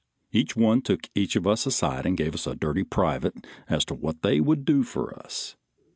Each one took each of us aside and gave us a dirty private as to what they would do for us.